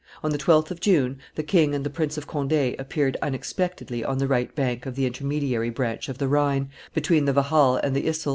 On the 12th of June, the king and the Prince of Conde appeared unexpectedly on the right bank of the intermediary branch of the Rhine, between the Wahal and the Yssel.